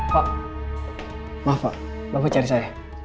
pak maaf pak bapak cari saya